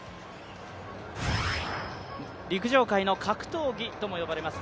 陸上界の格闘技とも呼ばれます